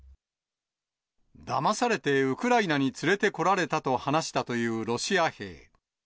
だまされてウクライナに連れてこられたと話したというロシア兵。